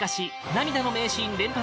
涙の名シーン連発！